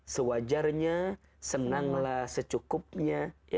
sewajarnya senanglah secukupnya